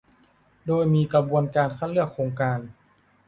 โดยมีกระบวนการคัดเลือกโครงการ